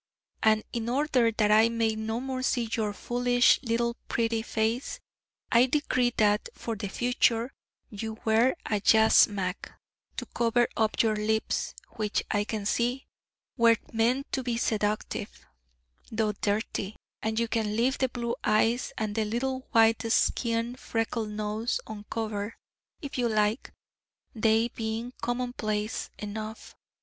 And in order that I may no more see your foolish little pretty face, I decree that, for the future, you wear a yashmak to cover up your lips, which, I can see, were meant to be seductive, though dirty; and you can leave the blue eyes, and the little white skinned freckled nose uncovered, if you like, they being commonplace enough.